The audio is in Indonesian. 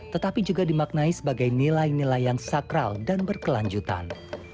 tetapi juga dimaknai sebagai nilai nilai yang sakral dan berkelanjutan